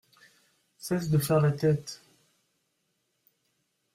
Cesse de faire la tête !